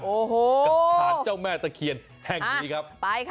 กับสารเจ้าแม่ตะเคียนแห่งนี้ครับ